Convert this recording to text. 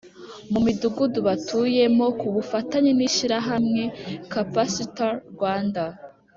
Mu midugudu batuyemo ku bufatanye n ishyirahamwe capacitar rwanda